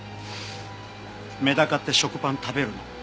メダカって食パン食べるの。